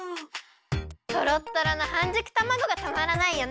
トロットロのはんじゅくたまごがたまらないよね！